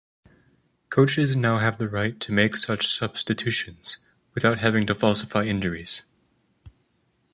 Coaches now have the right to make such substitutions without having to falsify injuries.